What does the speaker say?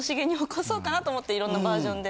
かなと思っていろんなバージョンで。